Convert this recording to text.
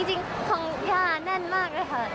จริงของย่าแน่นมากเลยค่ะ